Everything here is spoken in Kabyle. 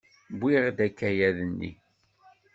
Wwiɣ-d akayad-nni.